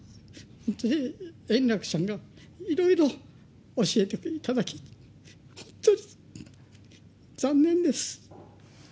本当に円楽さんがいろいろ教えていただき、本当に残念です。